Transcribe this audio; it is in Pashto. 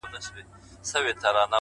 خلگو شتنۍ د ټول جهان څخه راټولي كړې;